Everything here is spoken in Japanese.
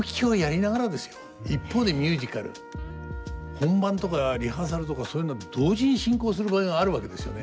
本番とかリハーサルとかそういうのは同時に進行する場合があるわけですよね。